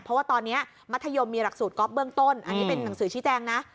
เพราะว่าตอนนี้มัธยมมีหลักสูตรก๊อฟเบื้องต้นอันนี้เป็นหนังสือชี้แจงนะ